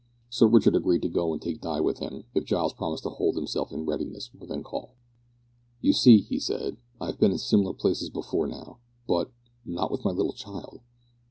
Sir Richard agreed to go and take Di with him, if Giles promised to hold himself in readiness within call. "You see," he said, "I have been in similar places before now, but not with my little child!"